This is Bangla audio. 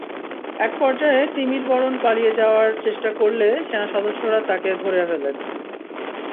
একপর্যায়ে তিমির বরন পালিয়ে যাওয়ার চেষ্টা করলে সেনাসদস্যরা তাঁকে ধরে ফেলেন।